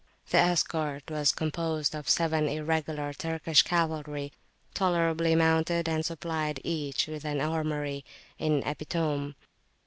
The escort was composed of seven Irregular Turkish cavalry, tolerably mounted, and supplied each with an armoury in epitome.